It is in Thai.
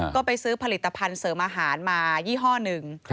ก็ไปซื้อผลิตภัณฑ์เสริมอาหารมายี่ห้อหนึ่ง